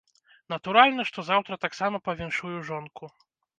Натуральна, што заўтра таксама павіншую жонку.